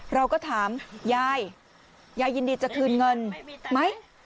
เราก็ถามยายยายยินดีจะคืนเงินไหม